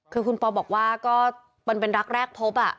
คือคุณปอบอกว่าก็มันเป็นรักแรกพบ